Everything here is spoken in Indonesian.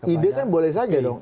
ide kan boleh saja dong